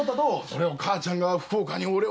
それを母ちゃんが福岡におれ